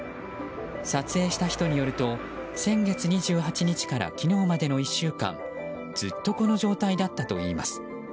撮影した人によると先月２８日から昨日までの１週間ずっとこの状態だったといいます。